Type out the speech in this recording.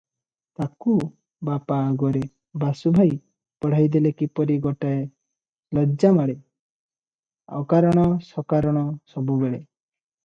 ତାକୁ ବାପ ଆଗରେ ବାସୁଭାଇ ପଢ଼ାଇଦେଲେ କିପରି ଗୋଟାଏ ଲାଜ ମାଡ଼େ; ଅକାରଣ ସକାରଣ ସବୁବେଳେ